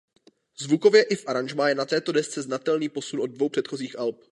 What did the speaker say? Zvukově i v aranžmá je na této desce znatelný posun od dvou předchozích alb.